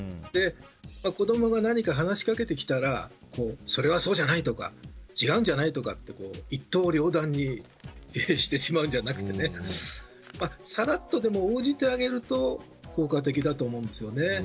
子供が何か話しかけてきたらそれはそうじゃないとか違うんじゃない？とか一刀両断にしてしまうんじゃなくてさらっとでも応じてあげると効果的だと思うんですね。